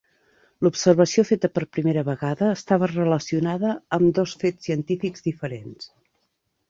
L'observació feta per primera vegada estava relacionada amb dos fets científics diferents.